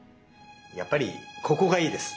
やっぱりここがいいです。